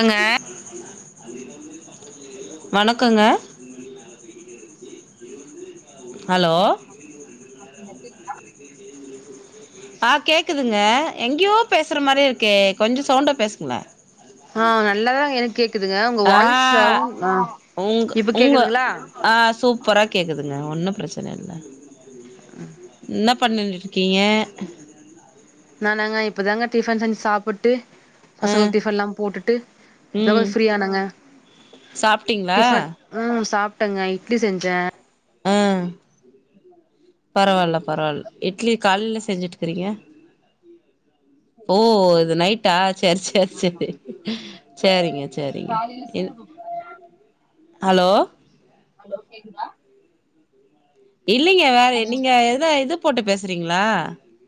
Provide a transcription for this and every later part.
அங்க வணக்கங்க ஹலோ ஆ கேட்குதுங்க எங்கேயோ பேசுற மாதிரி இருக்கே கொஞ்சம் சவுண்டா பேசுங்களேன் ஆ நல்லாதான் எனக்கு கேக்குதுங்க உங்க ஆ வாய்ஸ் சாவ் உங்க இப்ப உங்க கேக்குதுங்களா ஆ சூப்பரக் கேக்குதுங்க ஒன்னு பிரச்சன இல்ல என்ன பண்ணினு இருக்கீங்க நானாங்க இப்பதாங்க டிஃபன் செஞ்சு சாப்புட்டு ஆ பசங்கள்க்கு டிஃபன்ல்லா போட்டுட்டு இப்பதா ம் ஃப்ரீயானாங்க சாப்ட்டீங்களா டிஃபன் ம் சாப்ட்டங்க இட்லி செஞ்சே ஆ பரவாயில்ல பரவாயில்ல எட் இட்லி கால்ல செஞ்சுட்டுக்றீங்க ஓ இது நைட்டா சேரி சேரி சேரி சேரிங்க சேரிங்க ன் ஹலோ ஹலோ கேக்குதா இல்லைங்க வேற நீங்க எத இது போட்டு பேசுறீங்ளா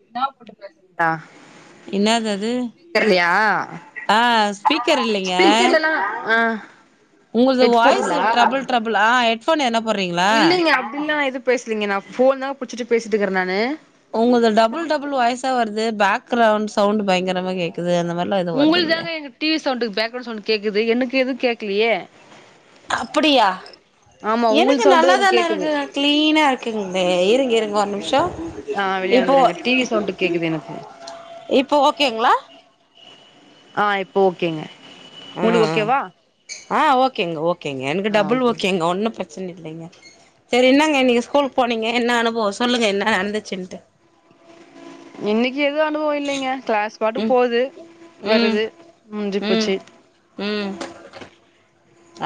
என்னாப் போட்டு பேசு ஆ என்னது அது தெர்லயா ஆ ஸ்பீக்கர் இல்லைங்க ஸ்பீக்கர்லலா ஆ உங்களது வாய்ஸ் ஹெட்ஃபோன்ங்களா ட்ரபுள் ட்ரபுள் ஆ ஹெட்ஃபோன் எதுன போடுறீங்ளா இல்ல அப்டில்லா எது பேசிலீங்க நா ஃபோன்தா புடிச்சிட்டு பேசிட்டுக்கே நானு உங்களுது டபுள் டபுள் வாய்ஸ்சா வருது பேக்ரவுண்ட் சவுண்ட் பயங்கரமா கேக்குது அந்த மாரி உங்ளுதாங்க எங்க டிவி சவுண்டு பேக்ரவுண்ட் சவுண்ட்டு கேக்குது எனக்கு எதுவு கேக்கலையே அப்டியா ஆமா உங்கள் எனக்கு சவுண்டு நல்லா தா எனக்கு தானே இருக்கு கேக்குது க்ளீனா இருக்கிங்களே இருங்க இருங்க ஒரு நிமிஷோ ஆ வெளிய இப்போ வந்துருங்க டிவி சவுண்டு கேக்குது எனக்கு இப்ப ஓகேங்ளா ஆ இப்ப ஓகேங்க ஆ உங்களுக்கு ஓகேவா ஆ ஓகேங்க ஓகேங்க எனக்கு ஆ டபுள் ஓகே ஓகேங்க ஒன்னு பிரச் சன இல்லைங்க செரி என்னங்க நீங்க ஸ்கூலுக்கு போனீங்க என்ன அனுபவோ சொல்லுங்க என்ன நடந்துச்சுன்ட்டு இன்னைக்கு எதுவு அனுபவ இல்லைங்க கிளாஸ் பாட்டு ம் போது ம் வருது ம் முஞ்சிப்போச்சு ம்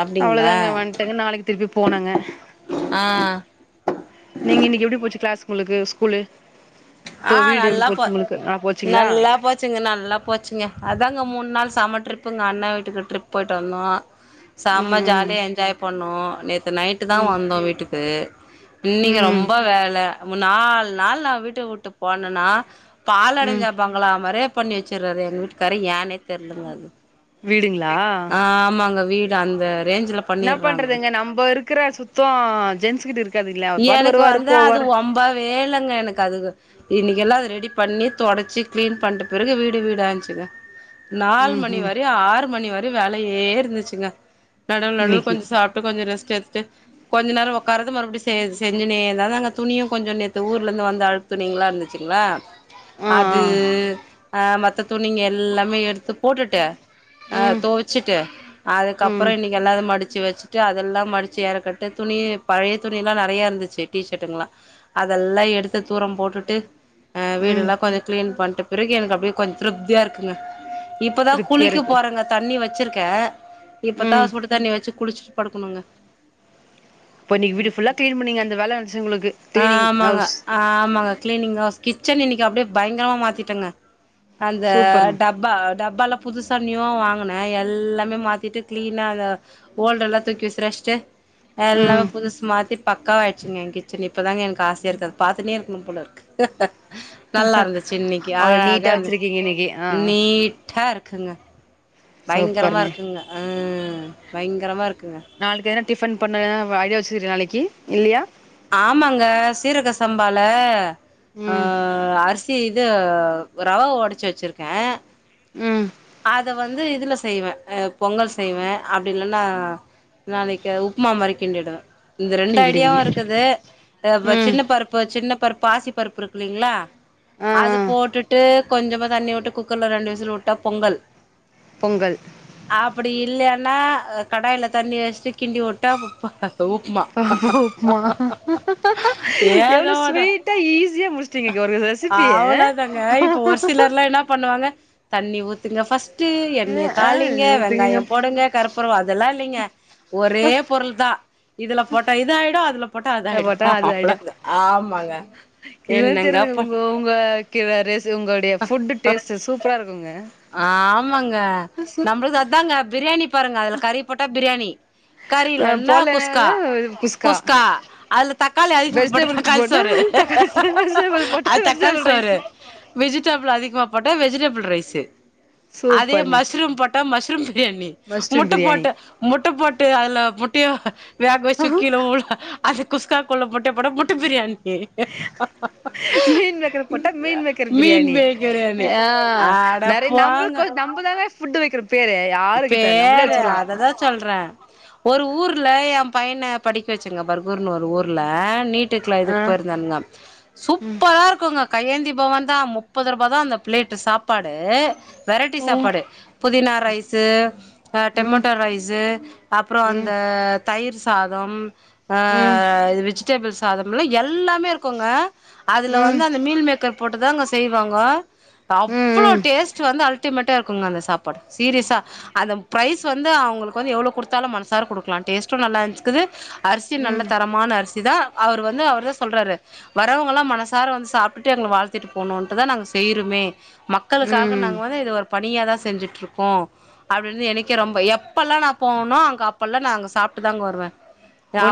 அப்டிங்களா அவ்ளதாங்க வன்ட்டங்க நாளைக்கி திருப்பி போனுங்க ஆ நீங்க இன்னைக்கி எப்டி போச்சு கிளாஸ் உங்களுக்கு ஸ்கூல்லு ஆ தோ வீடு எப்டி நல்லா போ போச்சு உங்களுக்கு ஆ போச்சுங்ளா நல்லா போச்சுங்க நல்லா போச்சுங்க அதான்ங்க மூணு நாள் சம ட்ரிப்புங்க அண்ண வீட்டுக்கு ட்ரிப் போயிட்டு வந்தோ செம ம் ம் ஜாலியா என்ஜாய் பண்ணோ நேத் நைட்டு தா ம் வந்தோ வீட்டுக்கு இன்னைக்கு ம் ம் ரொம்ப வேல நாள் நாள் நா வீட் வீட்ட விட்டு போனன்னா ம் பால்அடஞ்ச பங்களாமாரே பண்ணி வச்சிறாரு எங்க வீட்டுக்காரு ஏனே தெர்லங்க அது வீடுங்களா ஆ ஆமாங்க வீடு அந்த ரேஞ்ச்லப் என்ன பண்றதுங்க நம்ம இருக்கிற சுத்தோ ஜென்ஸ்கிட்ட இருக் எனக்கு வந்து அது ஒம்ப வேலங்க எனக்கு அதுகு இன்னைக்கெல்லா அது ரெடி பண்ணி தொடச்சு கிளீன் பண்ற பிறகு வீடு வீடா இந்துச்சுங்க நாலு ம் மணி ம் வரை ஆறு மணி வரையு வேலையே இருந்துச்சுங்க நடுவுல நடுவுல இன்னைக்கு கொஞ்ச சாப் இப்ப கொஞ்ச ரெஸ்ட் எடுத்து கொஞ்ச நேர உக்காரது மறுபடி சேரி செஞ்சுனே அததாங்க துணியு கொஞ்சோ நேத்து ஊர்லந்து வந்த அழுக்கு துணிங்ளா இருந்துச்சுங்ளா ஆ அது ஆ ஆ மத்த துணிங்க எல்லாமே எடுத்து போட்டுட்டு அ ம் துவச்சுட்டு அதுக்கப்பற ம் இன்னைக்கி எல்லாத மடிச்சு வச்சு அதெல்லா மடிச்சு ஏறக்கட்டு துணியி பழைய துணி எல்லா நிறையா இருந்துச்சு டிஷர்டுங்கல்லா அதெல்லா எடுத்து தூரம் போட்டுட்டு அ ம் வீடடெல்லா கொஞ்ச கிளீன் பண்ணிட்ட பிறகு எனக்கு அப்படியே கொஞ்ச திருப்தியா இருக்குங்க இப்பதா திருப்தியா குளிக்க இருக்கு போறங்க தண்ணி வச்சிருக்கே இப்பதா ம் சுடு தண்ணி வச்சு குளிச்சு படுக்கணுங்க இப்போ நீ வீடு ஃபுல்லா கிளீன் பண்ணீங்க அந்த வேல இருந்துச்சு உங்களுக்கு கிளீனிங் ஆமாங்க ஹவுஸ் ஆமாங்க கிளீனிங் ஹஸ் கிச்சன் இன்னைக்கு அப்டியே பயங்கரமா மாத்திட்டேங்க அந்த சூப்பருங்க டப் பா டப்பால புதுசா நியுவா வாங்கினே எல்லாமே மாத்திட்டு கிளீனா ஓல்டு எல்லா தூக்கி விசிரசிட்டு எல்லாமே ம் புதுசு மாத்தி பக்காவ ஆயிடுச்சுங்க ஏ கிச் சன் இப்பதாங்க எனக்கு ஆசையா இருக்கு அது பார்த்துன்னே இருக்கணு போல இருக்கு நல்லா இருந்துச் இன்னைக்கு அவ்ளோ நீட்டா அழகா இருந்துச்சு வச்சிருக்கீங்க இன்னைக்கு ஆ நீட்டா இருக்குங்க பயங்கரமா சூப்பருங்க இருக்குங்க ம் பயங்கரமா இருக்குங்க நாளைக்கி எதுனா டிஃபன் பண்ண ஐடியா வச்சுருக்கியா நாளைக்கி இல்லியா ஆமாங்க சீரக சம்பால அ ம் அரிசி இது ரவ உடச்சு வச்சிருக்கே ம் அத வந்து இதுல செய்வே அ பொங்கல் செய்வே அப்படி இல்லைன்னா நாளைக்கு அது உப்புமா மாரி கிண்டிடுவே இந்த ரெண்டு கிண்டிடுவீங்க ஐடியாவு இருக்குது இப்ப ம் சின்ன பருப்பு சின்ன பருப்பு பாசி பருப்பு இருக்குல்லீங்களா ஆ அது போட்டுட்டு கொஞ்சமா தண்ணி விட்டு குக்கர்ல ரெண்டு விசில் விட்டா பொங்கல் பொங்கல் அப்டி இல்லையன்னா கடாயில தண்ணி வச்சட்டு கிண்டி விட்டா இந்த உப்மா பாவோ உப்புமா எவ்ளோ ஸ்வீட்டா ஈஸியா முடிச் அவ்வள தாங்க இப்ப ஒரு சிலர் எல்லா என்ன பண்ணுவாங்க தண்ணி ஊத்துங்க ஃபஸ்ட் ட்டு எண்ணெய ஆ தாளிங்க நீ ஊத்துங்கங்க வெங்காய போடுங்க கருப் அப்புறோ அதெல்லா இல்லைங்க ஒரே பொருள்தா இதுல போட்ட இதா ஆயிடு அதுல போட்டா அது ஆதாயிடு போட்டா அது அவ்வளோ ஆயிடு ஆமாங்க என்னங்கப் ப உங்கக் கிவெரேஸ் உங்கள் அ அ ஆமாங்க நம்முளுது அதாங்க பிரியாணி ப் பாருங்க அதுல கறிய போட்டா பிர்யாணி கறி இல்லனா போடலனால குஸ்கா குஸ்கா அதுல தக்காளி அதிகமா போட்டா தக்காளி சோறு தக்காளி சாதோ வெஜிடபுள் போட்டா வெஜிடேபிள் ரைஸ் வெஜிடபுள் அதிகமா போட்டா வெஜிடபுள் ரைஸு அதே சூப்பருங்க மஷ்ரூம் போட்டா மஷ்ரூம் பிரியாணி மஷ்ரூம் பிரியாணி முட்டப்போட்டு முட்டப்போட்டு அதுல முட்டய வேக வச்சு கீழ உள்ள அது குஸ்காக்குள்ள முட்டய போட்டா முட்ட பிரியாணி மீன் மேக்கரு போட்டா மீன் மேக்கரு மீன் பிரியாணி பிரியாணி ஆ அட நெறய நம்மொளுக் போங்க நம்மதான ஃபுட்டு் வைக்கிறோ பேரே யாருகிட்ட நம்மளே பேரு வச்சுக்லா அததா சொல்றே ஒரு ஊர்ல எ பையன படிக்க வச்சுங்க பர்கூர்னு ஒரு ஊர்ல நீட் க்கலா ஆ இதுக் போய்ர்ந்தானுங்க சூப் ம் ப்பரா இருக்குங்க கையேந்திபவ தா முப்பது ரூபா தா அந்த பிளேட்டு் சாப்பாடு வெரட்டி ம் சாப்பாடு புதினா ரைஸ் இது ம் டொமேட்டோ ரைஸு அப்றோ ம் அந்த தயிர் சாதம் ஆ ம் இது வெஜிடேபிள் சாதம்ல்ல எல்லாமே இருக்கோங்க அதுல ம் வந்து அந்த மீல் மேக்கர் போட்டுதாங்க செய்வாங்கோ அவ்ளோ ம் டேஸ்ட் வந்து அல் அல்டிமேட்டா இருக்குங்க அந்த சாப்பாடு சீரிஸா அந்த ப்ரைஸ் வந்து அவுங்களுக்கு வந்து எவ்ளோ குடுத்தாலு மனசார குடுக்கலா டேஸ்ட்டும் நல்லா இருந்ச்க்குது அரிசி ம் நல்ல ம் தரமான அரிசி தா அவரு வந்து அவுர்தா சொல்றாரு வரவங்க எல்லா மனசார வந்து சாப்ட்டுட்டு எங்கள வாழ்த்திட்டு போணுன்ட்டுதா நாங்க செய்ருமே மக்களுக்காக ம் நாங்க வந்து இது ஒரு பணியா தா செஞ்சுட்டுருக்கோ அப்டின்னு எனக்கே ரொம்ப எப்பெல்லா நா போவனோ அங்க அப்பெல்லா நா அங்க சாப்ட்டு தாங்க வருவே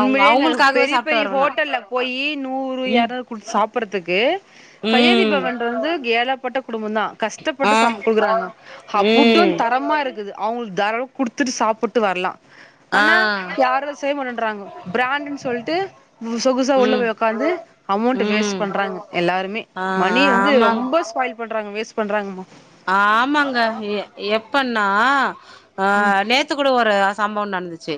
அவங்க அவங்களுக்காகவே பெரிய சாப்ட்டு பெரிய வருவே நா ஹோட்டல்ல போயி நூறு எரநூறு குடுத்து சாப்றதுக்கு ம் கையேந்நிபவன்ற வந்து ஏழப்பட்ட குடும்பதா ஆ கஷ்டப்பட்டு சம் குடுக்குறாங்க அஃபுட்டூ ம் தரமா இருக்குது அவுங்களுக்கு தாராள குடுத்துட்டு சாப்ட்டு வரலா ஆ ஆனா யாரு செய்ய மாட்டன் றாங்கோ பிராண்ட்ன்னு சொல்ட்டு ம் சொகுசா உள்ள ம் போய் ஒக்காந்து அமௌண்ட் வேஸ்ட் ம் பண்றாங்க எல்லாருமே ஆ மணிய வந்து ஆமாங் ரொம்ப ஸ்பாயில் பண்றாங்க வேஸ்ட் பண்றாங்கம்மா ஆமாங்க எ எப்பன்னா அ நேத் த்து கூட ஒரு சம்பவோ நடந்துச்சு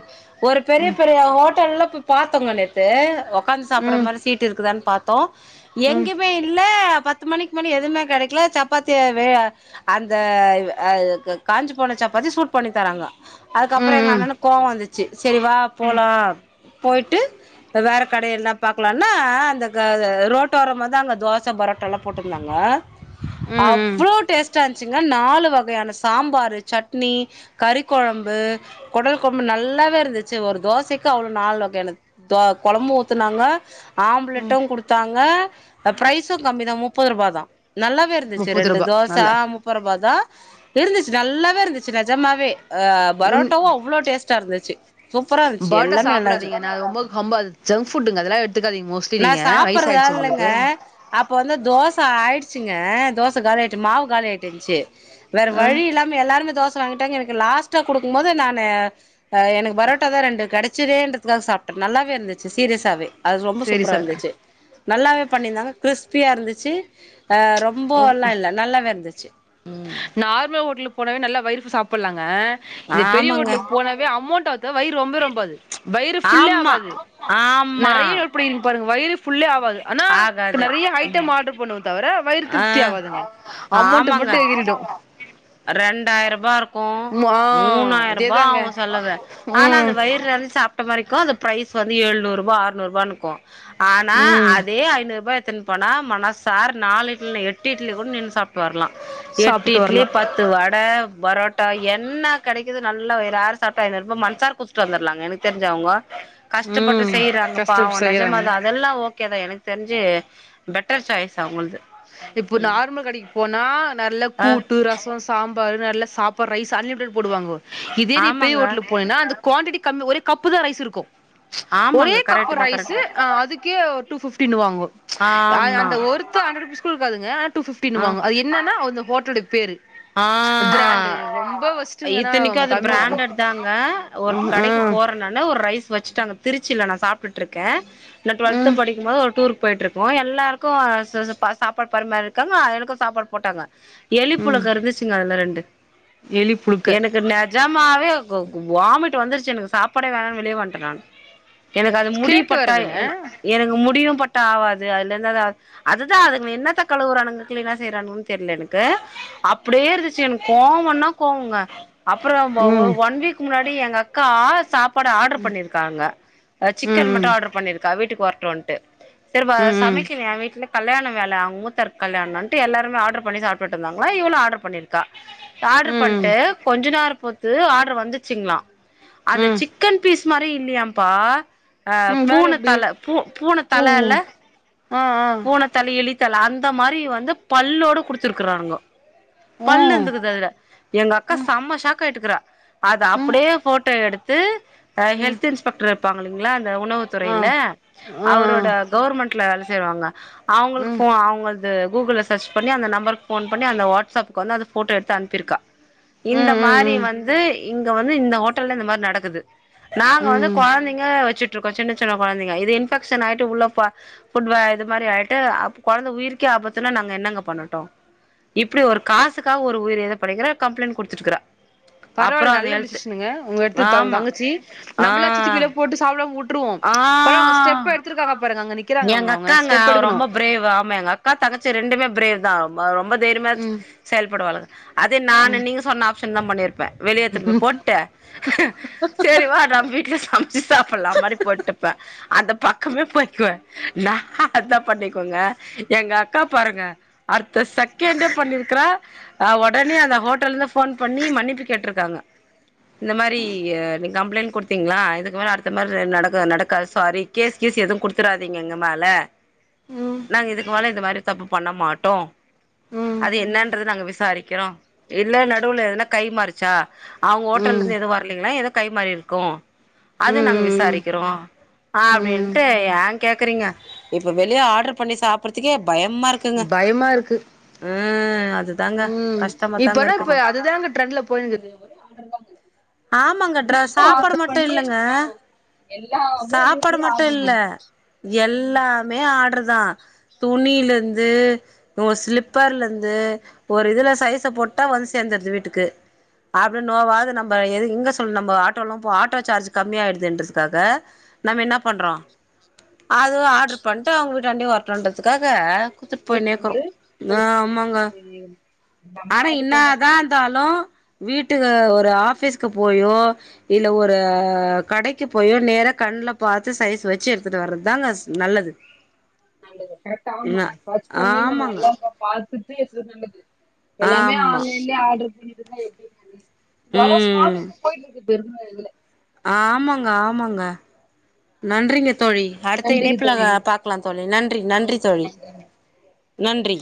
ஒரு பெரிய பெரிய ஹோட்டல்ல பாத்தோங்க நேத்து அ ஓக்காந்து சாப்டற ம் மாரி சீட்டு இருக்குதான்னு பார்த்தோ ம் எங்கியுமே இல்ல பத் பத்து மணிக்கு மேல எதுவுமே கெடைக்கல சப்பாத்திய வே அ அந்த வ் வ அ க காஞ்சி போன சாப்பத்திய சூட் பண்ணி தராங்க அதுக்கப்றோ ம் எங்க ம் அண்ணனுக்கு கோவ வந்துச்சு சரிவா போலா போயிட்டு வேற கடயதனா பாக்கலானா அந்த க ரோட்டோரமா தா அங்க தோச பரோட்டல்லா போட்ருந்தாங்க ம் ம் அவ்ளோ டேஸ்ட் வச்சுங்க நாலு வகயான சாம்பாரு சட்னி கறிக்கொழம்பு கொடல் கொழம்பு நல்லாவே இருந்துச்சு ஒரு தோசக்கு அவ்ளோ நால் வகயானத் தொ கொழம்பு ஊத்துனாங்க ம் ஆம்லெட்டு குடுத்தாங்க ப்ரைஸு கம்மி தா முப்பது ரூபா தா நல்லாவே இருந் இருந்துச்சு முப்பது ரெண்டு ரூபா தோச நல்ல ஆ முப்பருவாதா இருந்துச்சு நல்லாவே இருந்துச்சு நெஜமாவே அ உன் பரோட்டாவு அவ்ளோ டேஸ்ட்டா இருந்துச்சு சூப்பரா இருந்துச்சு எல்லாமே நல்லாச் ஜங்க்ஃபுட்டுங்க அதெல்லா எடுத்துக்காதீங்க மோஸ்ட்லி நீங்க சாப்பறது ஆள் வயசாய்டுச்சு இல்லங்க ஒங்களுக்கு அப்ப வந்து தோச ஆயிட்ச்சுங்க தோச காலி ஆய்ட்டு மாவு காலி ஆய்ட்ந்த்ச்சு வேற ஆ வழில்லா ம் எல்லாருமே தோச வாங்கிட்டாங்க எனக்கு லாஸ்ட்டா குடுக்கு போது நானு ஆ எனக் பொரோட்டா தா ரெண்டு கடச்சிதேன்றதுக்காக சாப்ட்டே நல்லாவே இருந்துச்சு சீரியஸாவே அது ரொம்ப சேரி சூப்பரா சார் இருந்துச்சு நல்லாவே பண்ணிருந்தாங்க கிறிஸ்பியா இருந்துச்சு ஆ ரொம்போல்லா இல்ல நல்லாவே இருந்துச்சு நார்மல் ஹோட்லுக்கு போனவே நல்லா வயிறுக் சாப்டலாங்க இந்த பெரிய ஆமாங்க ஓட்லுக் போனாவே அமௌண்ட் ஆத்தா வயிறு ரொம்பே ரொம்பாது வயிறு ஃபுல்லே ஆவாது ஆம்மா இப்டினு பாருங்க வயிறு ஃபுல்லே ஆவாது அனா ஆகாது நிறைய ஐட்டம் ஆர்டர் பண்ணுவோ தவர வயிறு ஆ திருப்தி ஆவாதுங்க அமொண்ட் மட்டு எகிரிடு ரெண்டாயி ரூபா இருக்கு மூணாயி ரூபா அதேதாங்க ஆவு செலவே ஆனா அது ம் வயிறு நரஞ் சாப் வரைக்கு அந்த பிரைஸ் வந்து எழுநூரூபா ஆறுநூரூபானுருக்கு ஆனா ம் அதே ஐநூறு ரூபா எத்துனு போனா மனசார நாலு இட்லி எட்டு இட்லி கூட நின்னு சாப்ட்டு வரலா எட் சாப்பிட்டு இட்லி வரலா பத்து வட பரோட்டா என்ன கெடைக்குது நல்லா வயிறார சாப் டு ஐநூரூபா மனசார குத்துட்டு வந்தரலாங்க எனக்கு தெரிஞ்சு அவுங்க கஷ்டப்பட்டு ம் செய்றாங்க பாவோ கஷ்டப்பட்டு செய்றாங்க நெஜமாதா அதெல்லா ஓகே தா எனக் தெரிஞ்சு பெட்டர் சாய்ஸ் அவுங்கள்து இப்போ ம் ம் நார்மல் கடைக்கு போனா நல்லா ஆ கூட்டு ரசோ சாம்பாரு நல்லா சாப்பாடு ரைஸ் அன்லிமிடெட் போடுவாங்கோ இதே நீ பெரிய ஆமாங்க ஹோட்டலுக் போனினா அந்த குவாண்டிட்டி கம்மி ஒரே கப்பு தா ரைஸ் இருக்கு ஒரே ஆமாங்க கப்பு கரெக்ட் தா ரைஸ்சு கரெக்ட் தா அ அதுக்கே டூ பிஃப்டின்னுவாங்கோ அ ஆமா அந்த ஒரு ஒர்த் ஹன்ட்ரேட் ருபீஸ் கூட இருக்காதுங்க ஆனா டூ ஆ ஃபிப்டின்னுவாங்க அது என்னனா அந்த ஹோட்டலோட பேரு ஆ பிராண்டு ரொம்ப ஒஸ்ட்டுங்க ஆனா இத்தனைக்கு அது தமிழ் பிரண்டட் தாங்க ஒரு ம் கடைக்கு ம் போற நானு ஒரு ரைஸ் வச்சுட்டாங்க திருச்சில நா சாப்ட்டுட்ருக்க நா ட்வெல்த் ம் படிக்கும்போது ஒரு டூர் போயிட்ருக்கோ எல்லாருக்கு ச சாப்பாடு பரிமாறிருக்காங்க அ எனக்கு சாப்பாடு போட்டாங்க எ ம் முளகா இருந்துச்சுங்க அதுல ரெண்டு எலி புழுக்க எனக்கு நெ நெஜமாவே கு கு வாமிட் வந்துருச்சு எனக்கு சாப்பாடே வேணான் வெளிய வன்டே நானு எனக்கு அது முடி கேட்டு பட்டா வருதுங்க என எனக்கு முடியு பட்டா ஆவாது அதுல இருந்து அது அதுதா அதுங்க என்னத்தக் களுவுறானுங்க கிளீனா செய்றானுங்கன்னு தெரில எனக்கு அப்டியே இருந்துச்சு எனக்கு கோவன்னா கோவொங்க அப்பறோ ஒ ஒ ஒரு ம் ஒன் வீக் முன்னாடி எங்க அக்கா சாப்பாடு ஆர்டர் பண்ணிருக்காங்க அ ம் சிக்கன் மட்டு ஆர்டர் பண்ணிருக்கா வீட்டுக்கு வரட்டுன்ட்டு சரி வ ம் ம் சமைக்கலயா எ வீட்ல கல்யாண வேல அவுங்க மூத்தாருக்கு கல்யாணோன்ட்டு எல்லாருமே ஆர்டர் பண்ணி சாப்பிட்டு இருந்தங்ளா இவளு ஆர்டர் பண்ணிருக் கா ஆர்டர் ம் பண்ட்டு கொஞ்சோ நேரோ பொறுத்து ஆர்டர் வந்துச்சுங்ளா அத ம் சிக்கன் பீஸ் மாரியே இல்லியாம்ப்பா அ வேற பூன எப்டி தல பூ பூன ஓ தல இல்ல ஆ ஆ பூன தல எலித்தல அந்த மாரி வந்து பல்லோடு குடுத்துருக்குறானுங்கோ ஓ பல்லு இருந்துக்குது அதுல எங்க அக்கா ம் செம்ம ஷாக்கய்ட்டுக்குறா அத ம் அப்டியே ஃபோட்டோ எடுத்து அ ம் ஹெல்த் இன்ஸ்பெக்டர் இருப்பாங்க இல்லிங்ளா அந்த உணவு ஆ துறைல அவரோட ஆ கவர்மெண்ட்ல வேல செய்வாங்க ம் அவுங்களுக்கு ம் ஃபோ அவுங்க அது கூகுள்ல சர்ச் பண்ணி அந்த நம்பருக்கு ஃபோன் பண்ணி அந்த வாட்ஸ் அப்புக்கு வந்து அது ஃபோட்டோ எடுத்து அனுப்பிருக்கா இந்த ம் மாரி ம் வந்து இங்க வந்து இந்த ஹோட்டல்ல இந்த மாரி நடக்குது நாங்க வந்து ம் கொழந்தைங்க வச்சுட்டு இருக்கோ சின்ன சின்ன கொழந்தைங்க இது இன்ஃபெக்ஷன் ஆய்ட்டு உள்ள ப ஃபுட் வ இது மாரி ஆய்ட்டு அப்ப கொழந்த உயிர்கே ஆபத்துன்னா நாங்க என்னங்க பண்ணட்டு இப்டி ஒரு காசுக்காக ஒரு உயிர் இது படக்ற கம்ப்ளைண்ட் குடுத்துட்டுக்றா பரவால்ல நல்ல டிசிஷனுங்க உங்க எடுத்து ஆமா தங்கச்சி நம்மளாச்சி எட்த்து கீழ ஆ போட்டு சாப்டம உட்ருவோ பரவால்ல அவங்க ஆ ஸ்டெப் எடுத்துருக்காங்க பாருங்க அங்க நிக் எங்க அக்காங்க அவ ரொம்ப பிரேவ் ஆமா எங் அக் கா தங்கச்சி ரெண்டுமே பிரேவ் தா ப ரொம்ப தைரிமா ம் செயல்படுவாளுக அதே நானு ம் நீங்க சொன்ன ஆ தா பண்ணிருப்ப வெளிய எதுன்னு போய் போட்டு செரி வா நம்ம வீட்லயே சம்ச்சு சாப்பலா மாரி போட்டுப்ப அந்த பக்கமே போய்குவ நா அதா பண்ணிக்கோங்க எங்க அக்கா பாருங்க அட்த்த செக்கண்டே பண்ணிருக்கறா ஆ ஒடனே அந்த ஹோட்டலந்து ஃபோன் பண்ணி மன்னிப்பு கேட்ருக்காங்க இந்த மாரி நீங்க கம்ளைண்ட் குடுத்தீங்ளா இதுக்கு மேல அடுத்த மாரி நடக்கா நடக்காது சாரி கேஸ் கீஸ் எதுவு குடுத்துறாதீங்க எங்க மேல ம் நாங்க இதுக்கு மேல இந்த மாரி தப்பு பண்ண மாட்டோ ம் அது என்னன்றது நாங்க விசாரிக்கிறோ இல்ல நடுவுல எதுனா கைமாருச்சா அவுங்க ம் ஓட்டல்லந்து எதுவு வர்லீங்ளா எது கை மாறிருக்கு அது நாங்க ம் ம் விசாரிக்கிறோ ம் ம் அப்டின்ட்டு ஏ கேக்குறீங்க இப்ப வெளிய ஆட்ரு பண்ணி சாப்புறதுக்கே பயமாரு பய்மாருக்கு ம் அதுதாங்க கஷ்டமா தாங்க இப்பல்லா இப்ப இருக்குது அதுதாங்க ட்ரெண்ட்ல போய்னுக்குது ஆமாங்க ட்ர சாப்பாடு மட்டு இல்லங்க சாப்பாடு மட்டு இல்ல எல்லாமே ஆட்ருதா துணிலந்து ஒங்க ஸ்லிப்பர்லந்து ஒரு இதுல சைஸ போட்டா வந்து சேந்துருது வீட்டுக்கு அப்டி நோவாது நம்ப எது எங்க சொல் நம்ப ஆட்டோல்லா போ ஆட்டோ சார்ஜு கம்மியா ஆய்டுதேன்றதுக்காக நம்ம இன்னா பண்றோ அது ஆட்ரு பண்ட்டு அவுங்க வீட்டாண்டே வர்ட்டுன்றதுக்காக குத்துட்போய்னேக்குறோ ஆ ஆமாங்க ஆனா இன்னா தா ந்தாலு வீட்டுக்கு ஒரு ஆஃபீஸ்க்கு போயோ இல்ல ஒரு கடைக்கி போயோ நேரா கண்ல பாத்து சைஸ் வச்சு எடுத்துட்டு வர்றதாங்க நல்லது நல்லது கரெக்ட்டு ஆமா ந டச் பண்ணி நம்ம ஆமாங்க நல்லாருக்கா பாத்துட்டு எத்தா நல்லது எல்லாமே ஆமா ஆன்லைன்லயே ஆட்ரு பண்ணிட்ருந்தா எப் எவ்ளோ ஸ்மார்ட் ம் ஒர்க்கா போயிட்ருக்குது தெர்ல இதுல ஆமாங்க ஆமாங்க நன்றிங்க தோழி அடுத்த இணைப்புல பாக்லா தோழி நன்றி நன்றி தோழி நன்றி